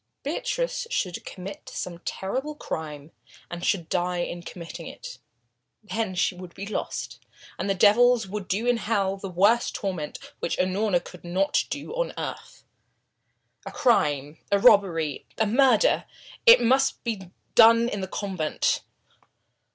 Beatrice should commit some terrible crime and should die in committing it. Then she would be lost, and devils would do in hell the worst torment which Unorna could not do on earth. A crime a robbery, a murder it must be done in the convent.